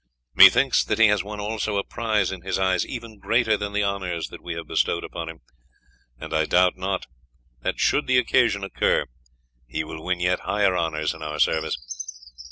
Methinks that he has won, also, a prize in his eyes even greater than the honours that we have bestowed upon him, and I doubt not that, should occasion occur, he will win yet higher honours in our service."